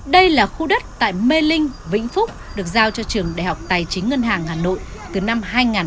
đây là khu đất tại mê linh vĩnh phúc được giao cho trường đại học tài chính ngân hàng hà nội từ năm hai nghìn tám